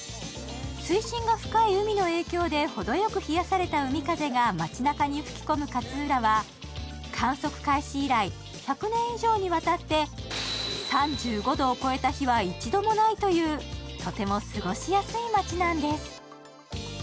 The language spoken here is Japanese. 水深が深い海の影響でほどよく冷やされた海風が街なかに吹き込む勝浦は観測開始以来１００年以上にわたって３５度を超えた日は一度もないというとても過ごしやすい街なんです。